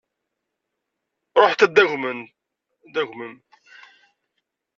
Ruḥet ad d-tagmem.